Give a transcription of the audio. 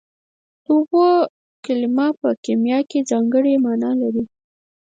د اوبو کلمه په کیمیا کې ځانګړې مانا لري